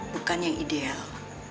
bukan yang ideal